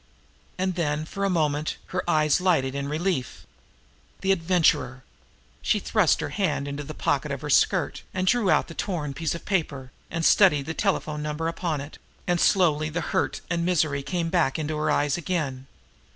And then, for a moment, her eyes lighted in relief. The Adventurer! She thrust her hand into the pocket of her skirt, and drew out the torn piece of paper, and studied the telephone number upon it and slowly the hurt and misery came back into her eyes again.